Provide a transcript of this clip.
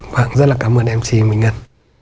vâng rất là cảm ơn em chị minh ngân